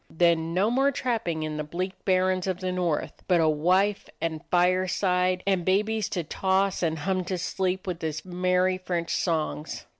Then no more trap ping on the bleak barrens of the North, but a wife and fireside, and babies to toss and hum to sleep with his merry French songs.